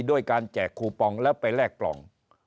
ด้วยการแจกคูปองแล้วไปแลกปล่อง